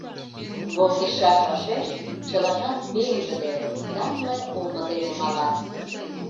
волгыжшаш вашеш чылажат пеҥгыде, тамле омо дене малат.